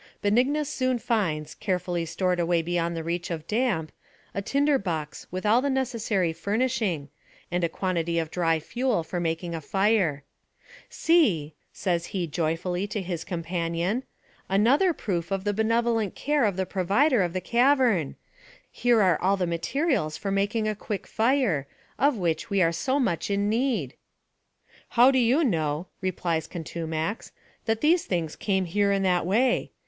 Benignus soon finds, carefully stored away beyond the reach of damp, a tinder box with all the necessary fur nishing, and a quantity of dry fuel for making a fire. " See," says he joyfully to his companion, " another proof of the benevolent care o^" the provider of the cav ern ; here are all the materials for making a quick fire, of which we are so much in need." " How do you know," replies Contumax, " that these things came here in that way